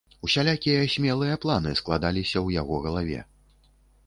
Усялякія смелыя планы складаліся ў яго галаве.